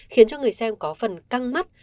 khiến cho người xem có phần căng mắt